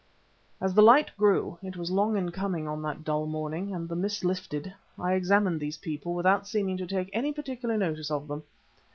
As the light grew it was long in coming on that dull morning and the mist lifted, I examined these people, without seeming to take any particular notice of them.